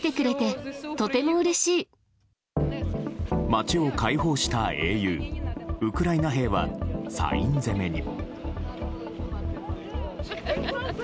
街を解放した英雄ウクライナ兵はサイン攻めに。